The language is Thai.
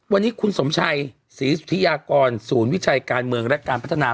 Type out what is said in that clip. วันนี้คุณสมชัยศรีสุธิยากรศูนย์วิจัยการเมืองและการพัฒนา